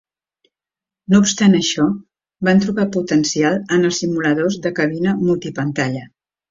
No obstant això, van trobar potencial en els simuladors de cabina multipantalla.